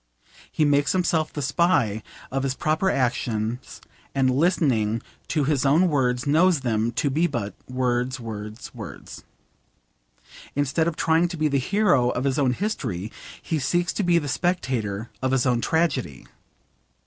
He makes himself the spy of his proper actions, and listening to his own words knows them to be but 'words, words, words.' Instead of trying to be the hero of his own history, he seeks to be the spectator of his own tragedy.